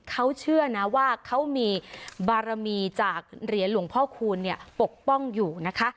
เขาเชื่อนะว่าเขามีบารมีจากเหรียญหลวงพ่อคูณปกป้องอยู่นะคะ